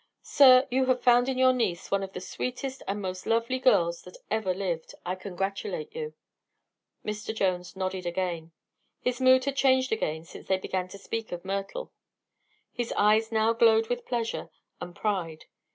"Sir, you have found in your niece one of the sweetest and most lovely girls that ever lived. I congratulate you!" Mr. Jones nodded again. His mood had changed again since they began to speak of Myrtle. His eyes now glowed with pleasure and pride.